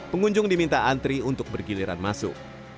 pengunjung diminta antri untuk bergiliran masuk